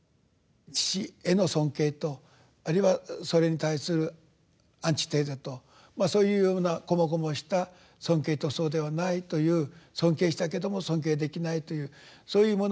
父への尊敬とあるいはそれに対するアンチテーゼとそういうようなこもごもした尊敬とそうではないという尊敬したけども尊敬できないというそういうものが賢治さんの中にあった。